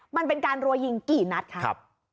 มันเป็นการรัวยิงกี่นัดครับ